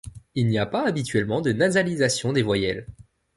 Il n’y a pas habituellement de nasalisation des voyelles.